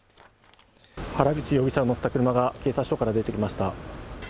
原口容疑者を乗せた車が警察署から出てきました